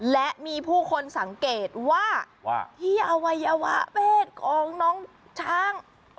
และมีผู้คนสังเกตว่าที่เอาไว้ว่าเพศของช้าง